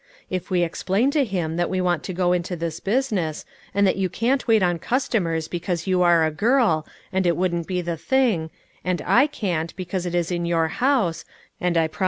If we explain to him that we want to go into this business, and that you can't wait on customers, because you are a girl, and it wouldn't be the thing, and I can't, because it is in your house, and I prom 376 LITTLE FISHERS : AND THEIR NETS.